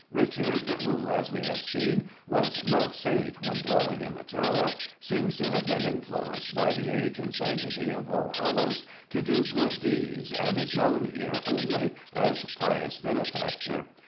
Richard, who, as we have seen, was no saint when dwelling in the Tower, seems to have been influenced by the age and sanctity of Allhallows to do good deeds, and is known here only as pious benefactor.